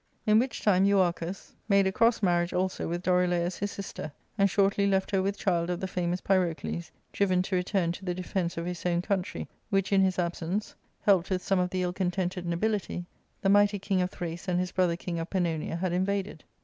In which time Euarchus made a cross marriage also with Dorilaus his sister, and shortly left her with child of the famous Pyrocles, driven to return to the defence of his own country, which in his absence, helped with some of the ill contented nobility, the mighty king of Thrace and his brother king of Pannonia had invaded.